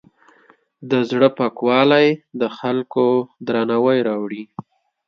د زړۀ پاکوالی د خلکو درناوی راوړي.